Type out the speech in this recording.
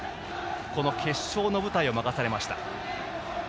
この決勝の舞台を任されました。